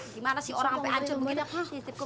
gimana sih orang sampe ancur begitu